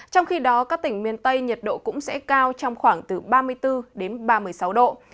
trong khi đó các tỉnh miền tây nhiệt độ cũng sẽ cao trong khoảng từ ba mươi bốn đến ba mươi sáu độ